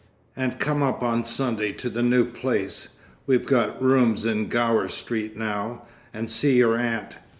And come up on Sunday to the new place—we got rooms in Gower Street now—and see your aunt.